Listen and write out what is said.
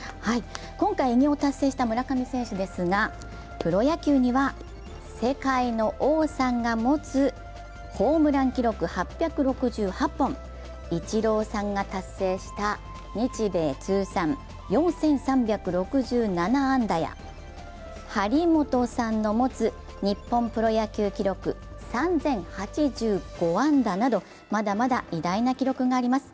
今回偉業を達成した村上選手ですがプロ野球には世界の王さんが持つホームラン記録８６８本、イチローさんが達成した日米通算４３６７安打や張本さんの持つ日本プロ野球記録３０８５安打などまだまだ偉大な記録があります。